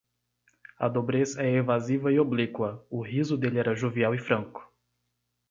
A dobrez é evasiva e oblíqua; o riso dele era jovial e franco.